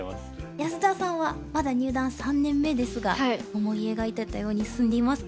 安田さんはまだ入段３年目ですが思い描いてたように進んでいますか？